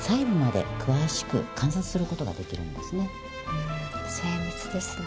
うん精密ですね。